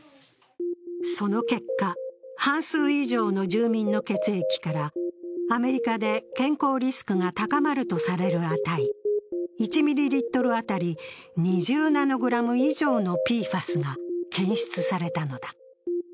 その結果、半数以上の住民の血液からアメリカで健康リスクが高まるとされる値、１ミリリットル当たり２０ナノグラム以上のＰＦＡＳが検出されたのだ。